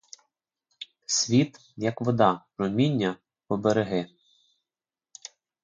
Світ, як вода, проміння по береги.